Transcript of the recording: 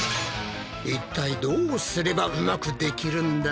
いったいどうすればうまくできるんだ？